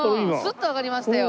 スッと上がりましたよ。